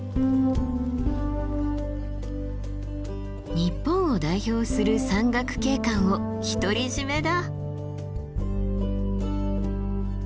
日本を代表する山岳景観を独り占めだ。